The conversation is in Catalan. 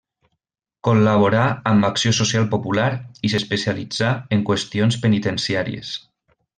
Col·laborà amb l'Acció Social Popular i s'especialitzà en qüestions penitenciàries.